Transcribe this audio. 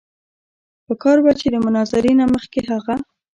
پکار وه چې د مناظرې نه مخکښې هغه